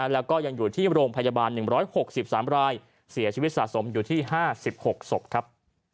แล้วก็ยังอยู่ที่โรงพยาบาล๑๖๓รายเสียชีวิตสะสมอยู่ที่๕๖ศพครับ